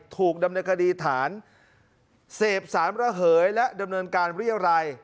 ถูกดำเนินคดีฐานเสพสารระเหยและดำเนินการเรียรัย